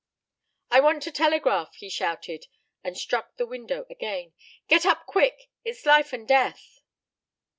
"I want to telegraph," he shouted, and struck the window again. "Get up quick! It's life and death!"